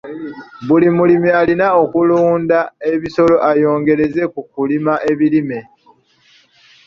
Buli mulimi alina okulunda ebisolo ayongereze ku kulima ebirime.